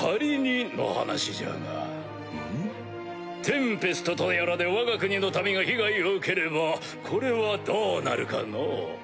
テンペストとやらでわが国の民が被害を受ければこれはどうなるかのぅ？